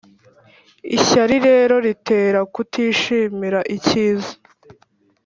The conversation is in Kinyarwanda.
Ishyari rero ritera kutishimira ikiza